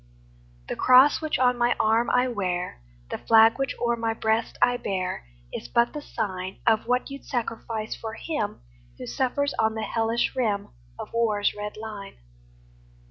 The cross which on my arm I wear, The flag which o'er my breast I bear, Is but the sign Of what you 'd sacrifice for him Who suffers on the hellish rim Of war's red line.